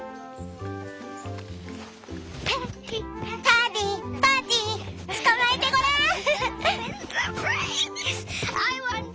パディパディつかまえてごらん！